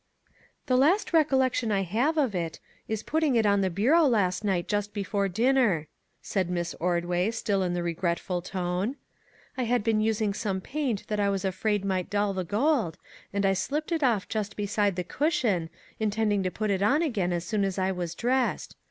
" The last recollection I have of it is putting it on the bureau last night just before dinner," said Miss Ordway, still in the regretful tone. " I had been using some paint that I was afraid might dull the gold, and I slipped it off just be side the cushion, intending to put it on again as soon as I was dressed.